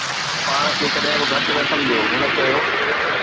”پاڻ کي ڪڏهن به گهٽ نه سمجهو،“ هن چيو